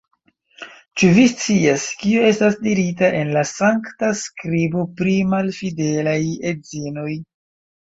Ĉu vi scias, kio estas dirita en la Sankta Skribo pri malfidelaj edzinoj?